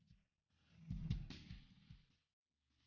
karena udah ada video yang sama